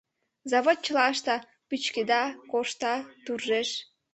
Завод чыла ышта: пӱчкеда, кошта, туржеш.